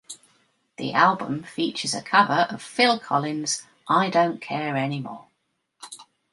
The album features a cover of Phil Collins' "I Don't Care Anymore".